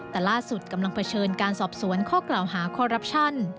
แต่ล่าสุดกำลังเผชิญการสอบสวนข้อกล่าวหาคอรัปชั่น